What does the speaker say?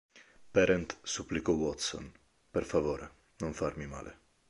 Parent supplicò Watson: "Per favore, non farmi male.